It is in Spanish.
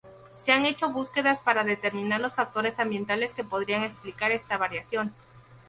Se han hecho búsquedas para determinar los factores ambientales que podrían explicar esta variación.